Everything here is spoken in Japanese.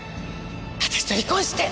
私と離婚して！